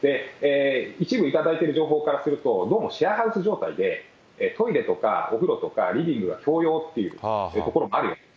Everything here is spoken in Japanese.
一部頂いている情報からすると、どうもシェアハウス状態で、トイレとかお風呂とかリビングは共用という所もあるようです。